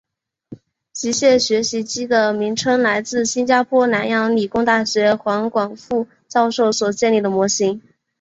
极限学习机的名称来自新加坡南洋理工大学黄广斌教授所建立的模型。